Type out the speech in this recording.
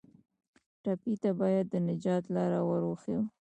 ټپي ته باید د نجات لاره ور وښیو.